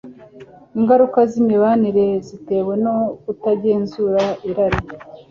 Ingaruka zImibanire Zitewe no Kutagenzura Irari